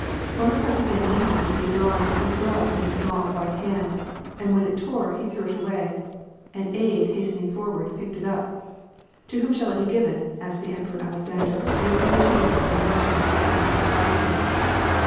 Bonaparte began meantime to be drawing his glove from his small, white hand, and when it tore, he threw it away. An aid, hastening for> ward, picked it up. " To whom shall it be given ?" asked the Emperor Alex ander, in a^low tone, in Eussian, of Kozlovsky.